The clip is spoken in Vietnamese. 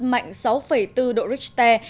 mạnh sáu bốn độ richter